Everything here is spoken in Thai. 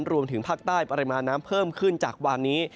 รวมถึงภาคใต้ปริมาณน้ำเพิ่มขึ้นจากวานนี้